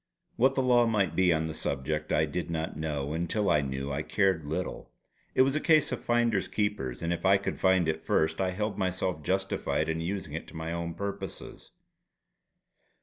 What the law might be on the subject I did not know, and till I knew I cared little. It was a case of "finders keepers," and if I could find it first I held myself justified in using it to my own purposes.